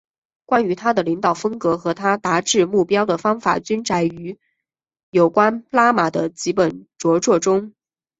关于他的领导风格和他达至目标的方法均载于有关拉玛的几本着作中。